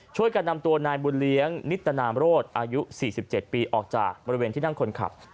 ช่วยกันนำตัวนายบุญเลี้ยงนิตนามโรศอายุ๔๗ปีออกจากบริเวณที่นั่งคนขับ